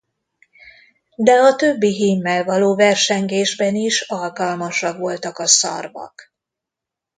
De a többi hímmel való versengésben is alkalmasak voltak a szarvak.